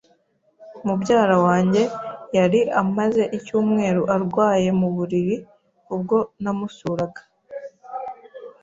Mubyara wanjye yari amaze icyumweru arwaye mu buriri ubwo namusuraga.